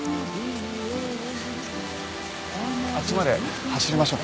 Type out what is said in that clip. あっちまで走りましょう。